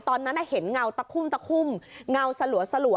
ตอนนั้นอะเห็นเงาตะคุ้มเงาสลัวล่ะ